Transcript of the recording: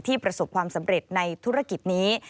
ประสบความสำเร็จในธุรกิจนี้